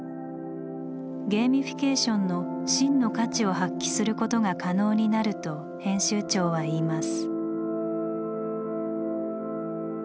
ゲーミフィケーションの真の価値を発揮することが可能になると編集長は言います。